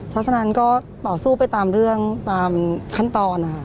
เพราะฉะนั้นก็ต่อสู้ไปตามเรื่องตามขั้นตอนนะคะ